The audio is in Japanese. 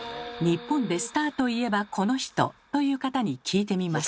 日本でスターといえばこの人！という方に聞いてみました。